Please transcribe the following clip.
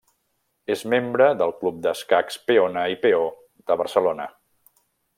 És membre del Club Escacs Peona i Peó de Barcelona.